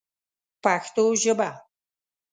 پښتو ژبه